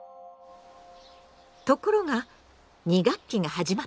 ところが２学期が始まった頃。